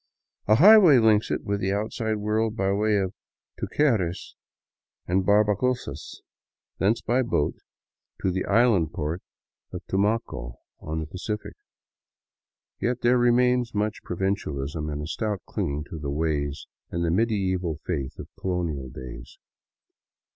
A highway links it with the outside jworld by way of Tuquerres and Barbacoas, thence by boat to the island I 113 VAGABONDING DOWN THE ANDES port of Tumaco on the Pacific. Yet there remains much provincialism and a stout cHnging to the ways and the medieval faith of colonial days.